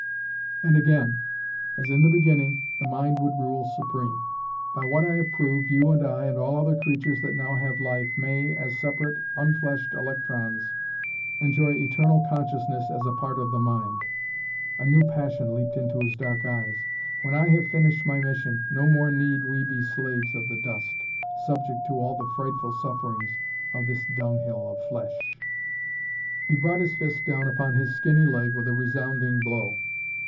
And again, as in the beginning, the Mind would rule supreme. By what I have proved, you and I and all other creatures that now have life may, as separate unfleshed electrons, enjoy eternal consciousness as a part of the Mind." A new passion leaped to his dark eyes. "When I have finished my mission, no more need we be slaves of the dust, subject to all the frightful sufferings of this dunghill of flesh." He brought his fist down upon his skinny leg with a resounding blow.